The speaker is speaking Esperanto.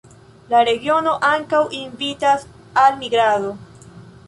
La regiono ankaŭ invitas al migrado.